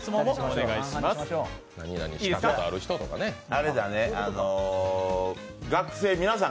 あれだね、あの皆さん